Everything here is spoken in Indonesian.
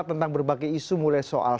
tentang berbagai isu mulai soal